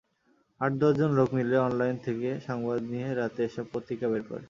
আট-দশজন লোক মিলে অনলাইন থেকে সংবাদ নিয়ে রাতে এসব পত্রিকা বের করে।